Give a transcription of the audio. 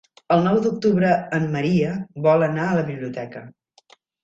El nou d'octubre en Maria vol anar a la biblioteca.